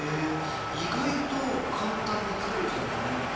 意外と簡単に作れちゃうんだね。